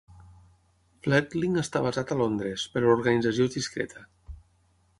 Fledg'ling està basat a Londres, però l'organització és discreta.